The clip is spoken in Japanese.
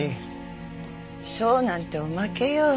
賞なんておまけよ。